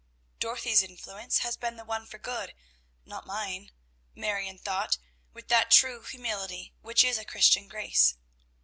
"Dorothy's influence has been the one for good, not mine," Marion thought, with that true humility which is a Christian grace.